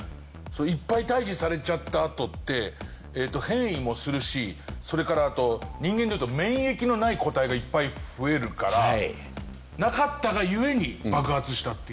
いっぱい退治されちゃったあとって変異もするしそれからあと人間でいうと免疫のない個体がいっぱい増えるからなかったが故に爆発したっていう。